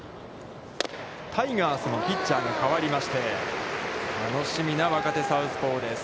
タイガースのピッチャーが代わりまして楽しみな若手サウスポーです。